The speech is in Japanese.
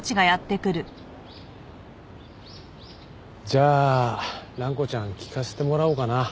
じゃあ蘭子ちゃん聞かせてもらおうかな